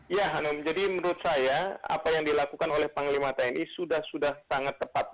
ya hanum jadi menurut saya apa yang dilakukan oleh panglima tni sudah sudah sangat tepat